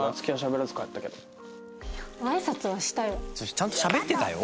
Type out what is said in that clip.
ちゃんとしゃべってたよ？